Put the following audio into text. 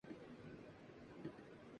یوم یکجہتی فلسطین کے موقع پر